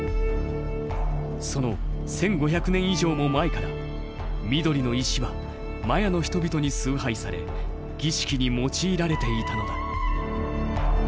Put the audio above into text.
その１５００年以上も前から緑の石はマヤの人々に崇拝され儀式に用いられていたのだ。